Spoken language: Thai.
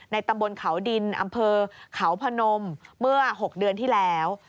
ตำบลเขาดินอำเภอเขาพนมเมื่อ๖เดือนที่แล้ว